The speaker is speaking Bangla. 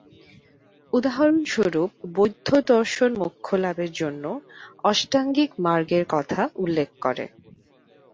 উদাহরণস্বরূপ, বৌদ্ধদর্শন মোক্ষলাভের জন্য অষ্টাঙ্গিক মার্গের কথা উল্লেখ করে।